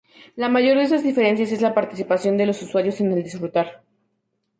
La mayor de estas diferencias es la participación de los usuarios y el disfrutar.